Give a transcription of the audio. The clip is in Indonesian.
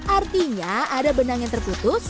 artinya ada benang yang terputus